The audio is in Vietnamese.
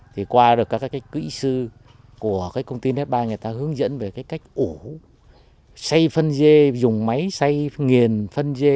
thì qua được các kỹ sư của công ty net ba người ta hướng dẫn về cách ổ xây phân dê dùng máy xây nghiền phân dê